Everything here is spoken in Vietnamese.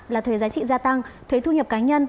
là thuế giá trị gia tăng thuế thu nhập cá nhân